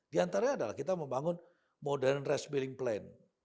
di antara adalah kita membangun modern rice billing plan